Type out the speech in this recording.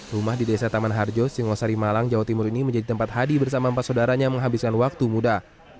rumah di desa taman harjo singosari malang jawa timur ini menjadi tempat hadi bersama empat saudaranya menghabiskan waktu muda